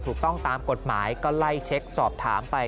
ถูกต้องตามกฎหมายก็ไล่เช็คสอบถามไป